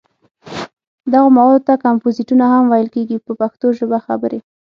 دغو موادو ته کمپوزېټونه هم ویل کېږي په پښتو ژبه خبرې.